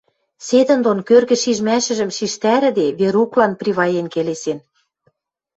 Седӹндон, кӧргӹ шижмӓшӹжӹм шижтӓрӹде, Веруклан приваен келесен: